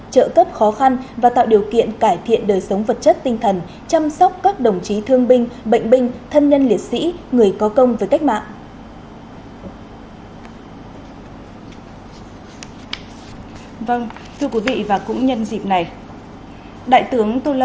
trợ cấp khó khăn và tạo điều kiện cải thiện đời sống vật chất tinh thần chăm sóc các đồng chí thương binh bệnh binh thân nhân liệt sĩ người có công với cách mạng